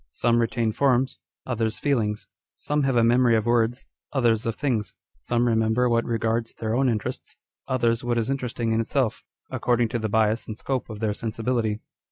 Some retain forms, others feelings. Some have a memory of words, others of things. Some re member what regards their own interests, others what is interesting in itself, according to the bias and scope of their sensibility.